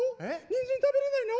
にんじんが食べれないの？